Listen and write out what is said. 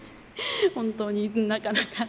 本当になかなかの。